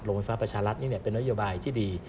ไฟฟ้าประชารัฐนี่เป็นนโยบายที่ดี